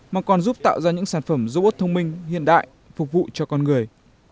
mà còn giúp tạo ra những sản phẩm robot thông minh hiện đại phục vụ cho con người